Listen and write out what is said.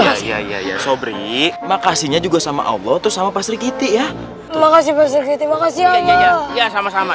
makasih ya sobri makasihnya juga sama allah sama pasti gitu ya makasih makasih sama sama